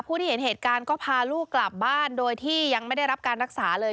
ที่เห็นเหตุการณ์ก็พาลูกกลับบ้านโดยที่ยังไม่ได้รับการรักษาเลย